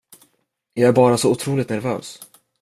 Jag är bara så otroligt nervös.